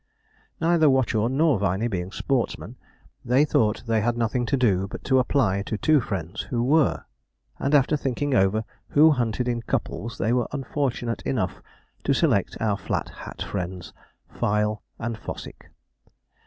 Neither Watchorn nor Viney being sportsmen, they thought they had nothing to do but apply to two friends who were; and after thinking over who hunted in couples, they were unfortunate enough to select our Flat Hat friends, Fyle and Fossick.